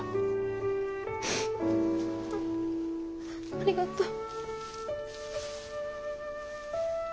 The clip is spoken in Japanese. ありがとう。